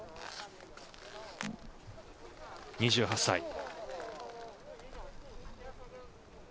２８歳。